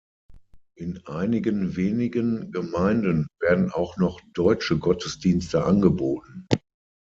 In einigen wenigen Gemeinden werden auch noch deutsche Gottesdienste angeboten.